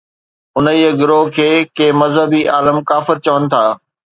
انهيءَ ئي گروهه کي ڪي مذهبي عالم ڪافر چون ٿا